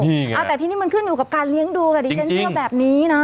เอาแต่ทีนี้มันขึ้นอยู่กับการเลี้ยงดูค่ะดิฉันเชื่อแบบนี้นะ